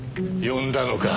呼んだのか！